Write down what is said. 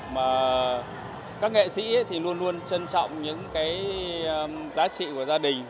mà các nghệ sĩ luôn luôn trân trọng những giá trị của gia đình